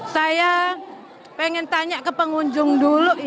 saya pengen tanya ke pengunjung dulu